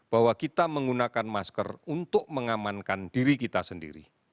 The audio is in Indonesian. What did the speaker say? bahwa kita menggunakan masker untuk mengamankan diri kita sendiri